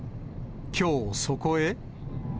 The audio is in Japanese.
きょう、そこへ。